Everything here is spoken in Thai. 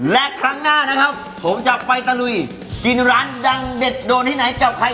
และครั้งหน้านะครับผมจะไปตะลุยกินร้านดังเด็ดโดนที่ไหนกับใคร